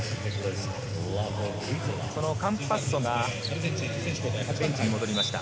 カンパッソがベンチに戻りました。